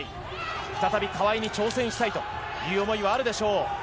再び川井に挑戦したいという思いがあるでしょう。